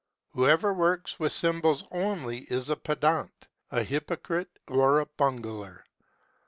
Whoever works with sym bols only is a pedant, a hypocrite, or a bungler.